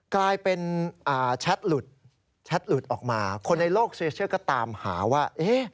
กลายเป็นแชทหลุดออกมาคนในโลกเชื่อก็ตามหาว่า